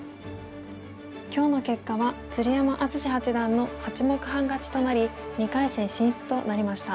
今日の結果は鶴山淳志八段の８目半勝ちとなり２回戦進出となりました。